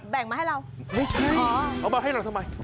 แบ่งมาให้เราหอเอามาให้เราทำไม